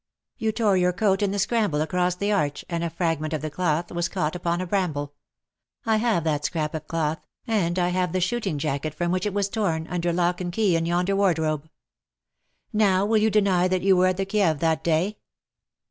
You tore your coat in the scramble across the arch^ and a fragment of the cloth was caught upon a bramble. I have that scrap of cloth_, and I have the shooting jacket from which it was torn, under lock and key in yonder wardrobe. Now^ will you deny that you were at the Kieve that day?